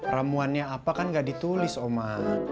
ramuannya apa kan gak ditulis oma